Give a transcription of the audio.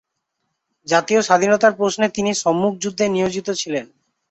জাতীয় স্বাধীনতার প্রশ্নে তিনি সম্মুখ যুদ্ধে নিয়োজিত ছিলেন।